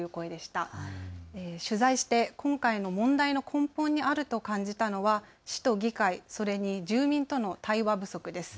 取材して今回の問題の根本にあると感じたのは市と議会、それと住民との対話不足です。